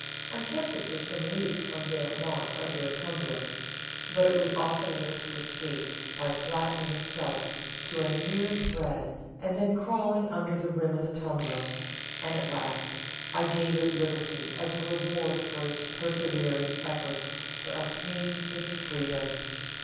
I kept it for some weeks on damp moss under a tumbler, but it was often able to escape by flattening itself to a mere thread and then crawling under the rim of the tumbler, and at last I gave it liberty as a reward for its persevering efforts to obtain its freedom.